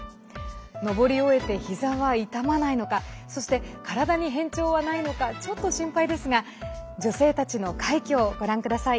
上り終えて、ひざは痛まないのかそして体に変調はないのかちょっと心配ですが女性たちの快挙をご覧ください。